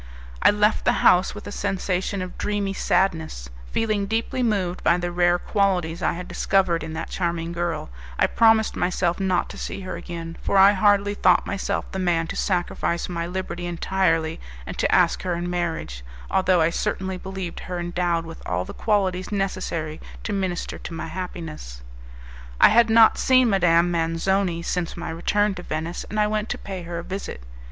I left the house with a sensation of dreamy sadness; feeling deeply moved by the rare qualities I had discovered in that charming girl, I promised myself not to see her again, for I hardly thought myself the man to sacrifice my liberty entirely and to ask her in marriage, although I certainly believed her endowed with all the qualities necessary to minister to my happiness. I had not seen Madame Manzoni since my return to Venice, and I went to pay her a visit.